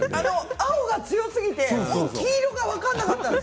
青が強すぎて黄色がよく分からなかった。